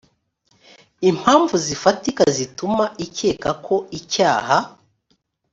impamvu zifatika zituma ikeka ko icyaha